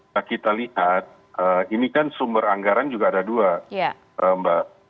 jadi kita lihat ini kan sumber anggaran juga ada dua mbak